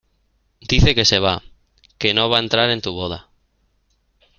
dice que se va, que no va a entrar en tu boda.